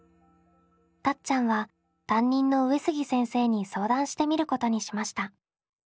たっちゃんは担任の上杉先生に相談してみることにしました。